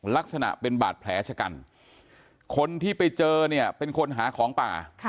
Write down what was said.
ลักษณะเป็นบาดแผลชะกันคนที่ไปเจอเนี่ยเป็นคนหาของป่า